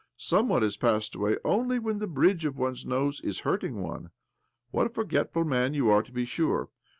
Some one has passed away only when the bridge of one's nose is hurting one. What a forgetful man you are, to be sure